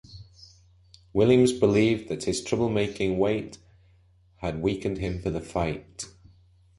Williams believed that his trouble making weight had weakened him for the fight.